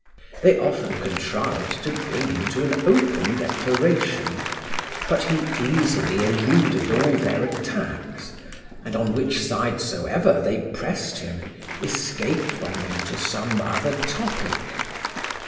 They often contrived to bring him to an open declaration; but he easily eluded all their attacks, and, on which side soever they pressed him, escaped from them to some other topic.